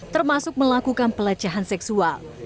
termasuk melakukan pelecehan seksual